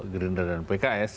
gerindra dan pks